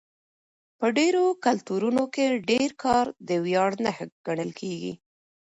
په ډېرو کلتورونو کې ډېر کار د ویاړ نښه ګڼل کېږي.